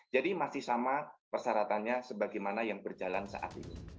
jadi masih sama persyaratannya sebagaimana yang berjalan saat ini